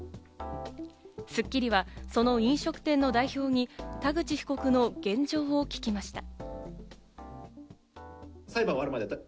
『スッキリ』はその飲食店の代表に田口被告の現状を聞きました。